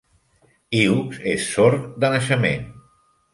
Hughes és sord de naixement.